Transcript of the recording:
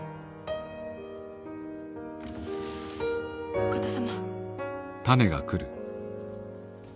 お方様。